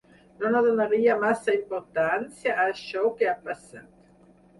Jo no donaria massa importància a això que ha passat.